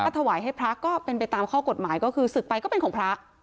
ถวายให้พระก็เป็นไปตามข้อกฎหมายก็คือศึกไปก็เป็นของพระ